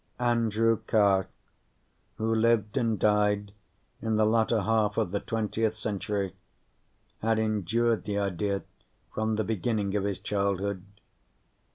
Andrew Carr, who lived and died in the latter half of the 20th century, had endured the idea from the beginning of his childhood.